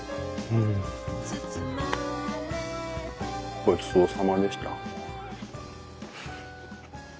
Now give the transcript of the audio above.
ごちそうさまでした。